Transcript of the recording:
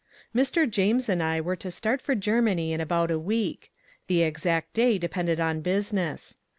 Mr. James and I were to start for Germany in about a week. The exact day depended on business.